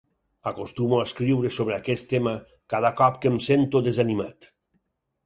Acostumo a escriure sobre aquest tema cada cop que em sento desanimat.